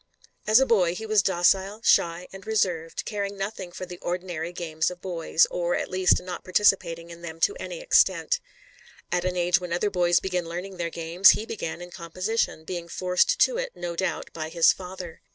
As a boy he was docile, shy and reserved, caring nothing for the ordinary games of boys, or at least not participating in them to any extent. At an age when other boys begin learning their games, he began in composition, being forced to it, no doubt, by his father.